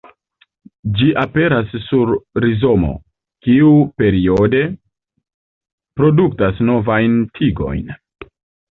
Ĝi aperas sur rizomo, kiu periode produktas novajn tigojn.